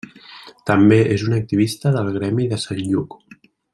També és un activista del Gremi de Sant Lluc.